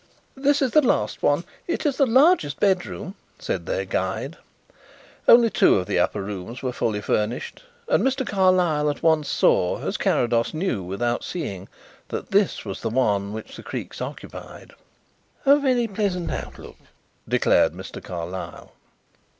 "This is the last one. It is the largest bedroom," said their guide. Only two of the upper rooms were fully furnished and Mr. Carlyle at once saw, as Carrados knew without seeing, that this was the one which the Creakes occupied. "A very pleasant outlook," declared Mr. Carlyle.